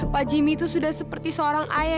pak jimmy itu sudah seperti seorang ayah